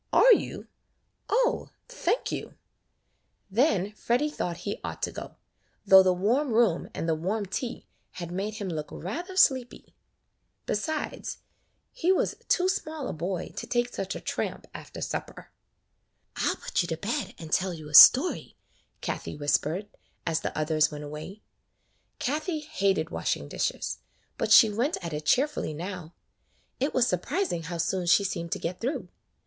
"Are you? O ! thank you." Then Freddy thought he ought to go, though the warm room and the warm tea had made him look rather sleepy; besides he was [ 39 ] ^AN EASTER LILY too small a boy to take such a tramp after supper. "I 'll put you to bed and tell you a story," Kathie whispered as the others went away. Kathie hated washing dishes, but she went at it cheerfully now. It was surprising how soon she seemed to get through.